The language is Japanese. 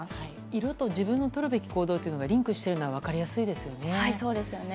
色と自分のとるべき行動がリンクしているのは分かりやすいですよね。